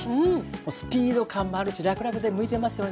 もうスピード感もあるしらくらくで向いてますよね。